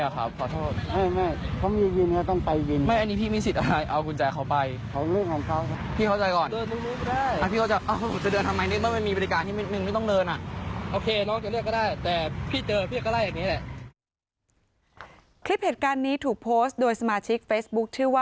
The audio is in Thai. คลิปเหตุการณ์นี้ถูกโพสต์